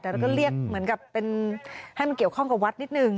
แต่เราก็เรียกเหมือนกับเป็นให้มันเกี่ยวข้องกับวัดนิดนึง